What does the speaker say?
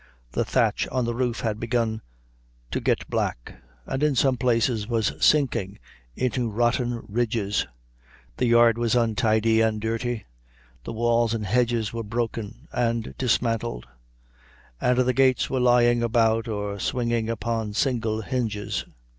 The thatch on the roof had begun to get black, and in some places was sinking into rotten ridges; the yard was untidy and dirty; the walls and hedges were broken and dismantled; and the gates were lying about, or swinging upon single hinges.